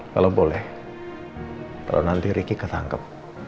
kalau boleh kalau nanti ricky ketangkep